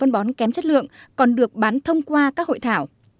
bón kém chất lượng còn được bán thông qua các hội thảo